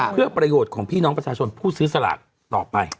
เพื่อประโยชน์ของพี่น้องประชาชนผู้ซื้อสลากต่อไป